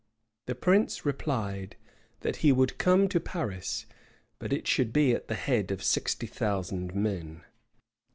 The prince replied, that he would come to Paris, but it should be at the head of sixty thousand men.